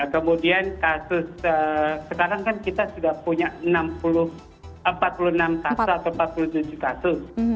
kemudian kasus sekarang kan kita sudah punya empat puluh enam kasus atau empat puluh tujuh kasus